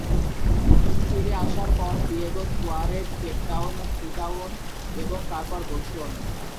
ফিরে আসার পথ ছিল দিয়েগো সুয়ারেজ, কেপটাউন, ফ্রিটাউন এবং তারপর বোস্টন।